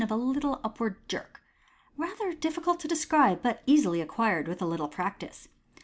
U of a little upward jerk, rather difficult to describe, but easily acquired with a little practice.